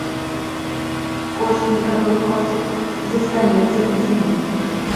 Кошт некаторых паслуг застанецца без змен.